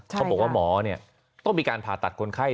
เขาบอกว่าหมอต้องมีการผ่าตัดคนไข้